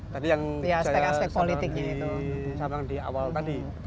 tadi yang saya bilang di awal tadi